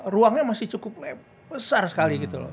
ruangnya masih cukup besar sekali gitu loh